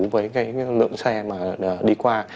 với lượng xe đi qua